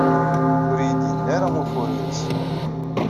Ur iyi-d-yenni ara ufur-nnes.